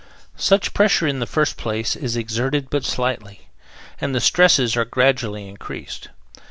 Such pressure in the first place is exerted but slightly, and the stresses are gradually increased.